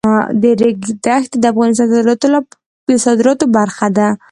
د ریګ دښتې د افغانستان د صادراتو برخه ده.